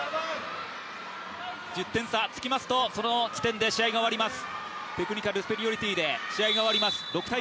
１０点差つきますと、その時点で試合が終わります。